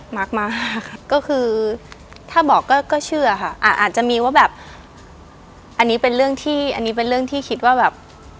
มากก็คือถ้าบอกก็เชื่อค่ะอาจจะมีว่าแบบอันนี้เป็นเรื่องที่คิดว่าแบบ